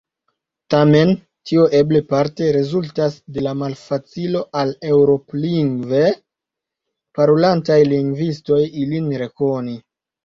Tamen, tio eble parte rezultas de la malfacilo al Eŭrop-lingve parolantaj lingvistoj ilin rekoni.